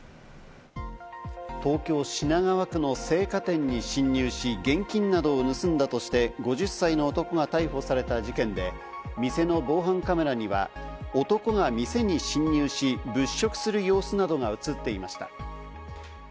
東京・品川区の青果店に侵入し現金などを盗んだとして、５０歳の男が逮捕された事件で、店の防犯カメラには、男が店に侵入し、物色する様子などが映っていました。